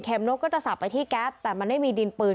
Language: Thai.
นกก็จะสับไปที่แก๊ปแต่มันไม่มีดินปืน